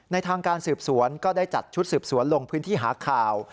ทางการสืบสวนก็ได้จัดชุดสืบสวนลงพื้นที่หาข่าว